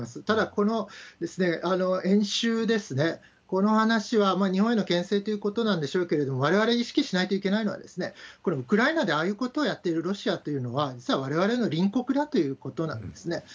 ただ、この演習ですね、この話は日本へのけん制ということなんでしょうけれども、われわれ意識しないといけないのは、これ、ウクライナでああいうことをやっているロシアっていうのは、実はわれわれの隣国だということなんですね。